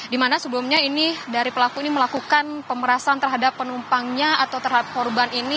dimana sebelumnya ini dari pelaku ini melakukan pemerasan terhadap penumpangnya atau terhadap korban ini